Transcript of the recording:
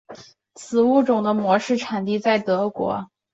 该物种的模式产地在德国。